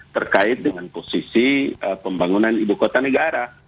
terkait dengan posisi pembangunan ibu kota negara